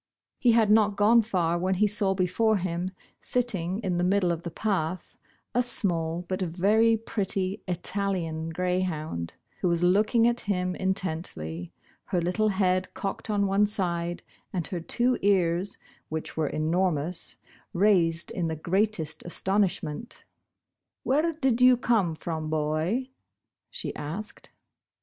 He had not gone far when he saw before him, sitting in the middle of the path, a small but very pretty Italian greyhound, who was looking at him intently, her little head cocked on one side, and her two ears, which were enormous, raised in the greatest astonishment* *' Where did you come from, boy ?" she asked.